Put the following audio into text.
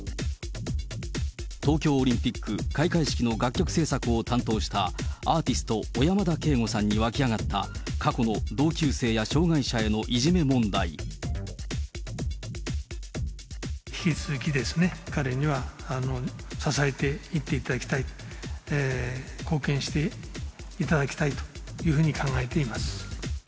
東京オリンピック開会式の楽曲制作を担当したアーティスト、小山田圭吾さんにわき上がった過去の同級生や障害者へのいじめ問引き続き、彼には支えていっていただきたい、貢献していただきたいというふうに考えています。